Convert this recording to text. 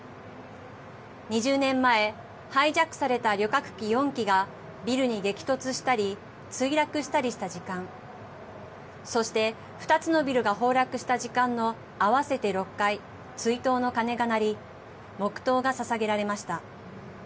２０年前ハイジャックされた旅客機４機がビルに激突したり墜落したりした時間そして２つのビルが崩落した時間の合わせて６回追悼の鐘が鳴り黙とうがささげられました。